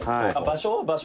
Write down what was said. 「場所？